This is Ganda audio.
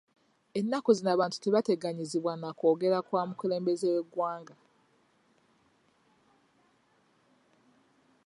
Ennaku zino abantu tebateganyizibwa na kwogera kwa mukulembeze w'eggwanga.